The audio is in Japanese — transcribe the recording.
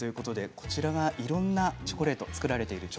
こちらがいろんなチョコレート作られているものです。